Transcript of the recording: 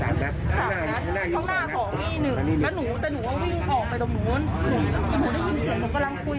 ข้างหน้าของและหนูแต่หนูวิ้งออกไปตรงนู้น